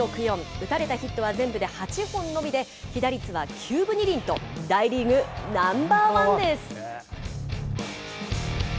打たれたヒットは全部で８本のみで、被打率は９分２厘と、大リーグナンバーワンです。